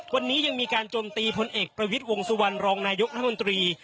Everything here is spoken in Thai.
วันนี้ยังมีการโจมตีพลเอกประวิทย์วงสุวรรณรองนายกรัฐมนตรี